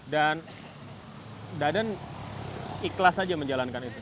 dan dadan ikhlas aja menjalankan itu